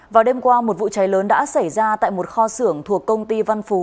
vào đêm qua một vụ cháy lớn đã xảy ra tại một kho xưởng thuộc công ty văn phú